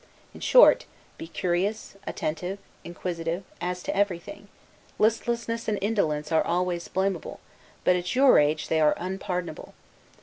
In short, be curious, attentive, inquisitive, as to everything; listlessness and indolence are always blameable, but, at your age, they are unpardonable.